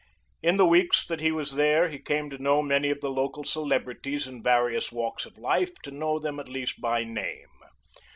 In the weeks that he was there he came to know many of the local celebrities in various walks of life, to know them at least by name.